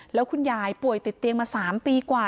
แล้วคุณยายป่วยติดเตียงมา๓ปีกว่า